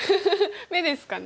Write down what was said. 眼ですかね？